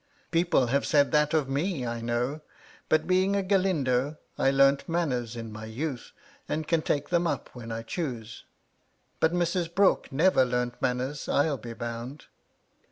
People ' have said that of me, I know. But, being a Galindo, * I learnt manners in my youth, and can take them up ^when I choose. But Mrs. Brooke never learnt * manners, I'll be bound.